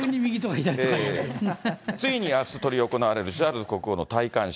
ついにあす執り行われるチャールズ国王の戴冠式。